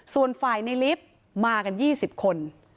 ส่วนฝ่ายในลิฟท์มากันยี่สิบคน